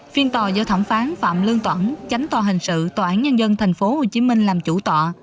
phiên tòa do thẩm phán phạm lương toản chánh tòa hình sự tòa án nhân dân tp hcm làm chủ tòa